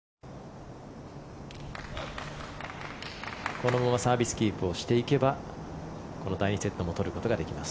このままサービスキープをしていけばこの第２セットも取ることができます。